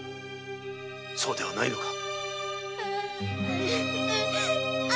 そうではないのか。